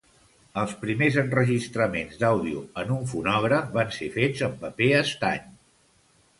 Els primers enregistraments d'àudio en un fonògraf van ser fets en paper estany.